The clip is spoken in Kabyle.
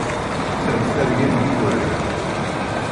Ta d targa n yigerdan.